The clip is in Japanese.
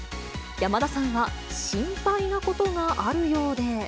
山田さんは心配なことがあるようで。